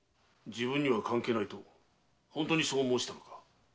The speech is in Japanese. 「自分には関係ない」と本当にそう申したのか？